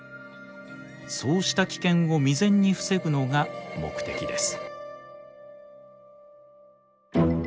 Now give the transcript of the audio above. そうした危険を未然に防ぐのが目的です。